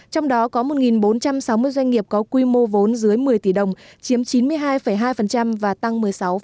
trong đó có một bốn trăm sáu mươi doanh nghiệp có quy mô vốn dưới một mươi tỷ đồng chiếm chín mươi hai hai và tăng một mươi sáu